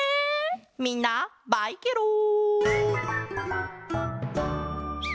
みんなバイケロン！